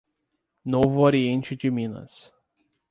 Novo Oriente de Minas